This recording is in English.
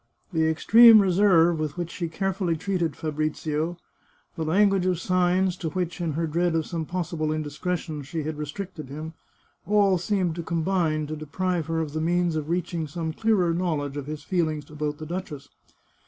The extreme reserve with which she carefully treated Fabrizio, the language of signs to which, in her dread of some possible indiscretion, she had restricted him, all seemed to combine to deprive her of the means of reaching some clearer knowledge of his feelings about the duchess.